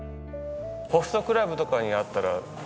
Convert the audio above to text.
ホストクラブとかにあったら絶対いい。